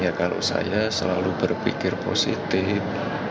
ya kalau saya selalu berpikir positif